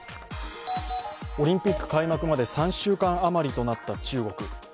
オリンピック開幕まで３週間余りとなった中国。